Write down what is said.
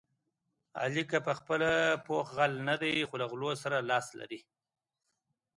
علي که په خپله پوخ غل نه دی، خو له غلو سره لاس لري.